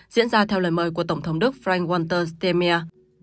diễn ra theo lời mời của tổng thống đức frank walter stemia